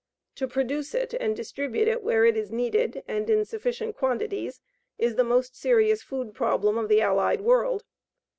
To produce it and distribute it where it is needed and in sufficient quantities is the most serious food problem of the Allied world.